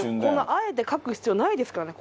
あえて書く必要ないですからね